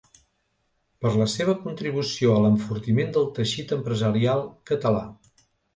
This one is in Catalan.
Per la seva contribució a l’enfortiment del teixit empresarial català.